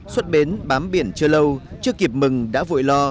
xuất bến bám biển chưa lâu chưa kịp mừng đã vội lo